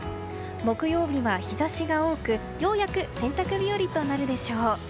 木曜日は日差しが多くようやく洗濯日和となるでしょう。